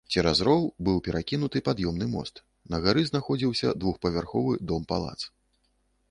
Цераз роў быў перакінуты пад'ёмны мост, на гары знаходзіўся двухпавярховы дом-палац.